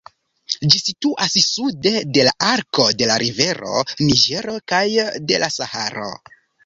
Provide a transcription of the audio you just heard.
Ĝi situas sude de la arko de la rivero Niĝero kaj de la Saharo.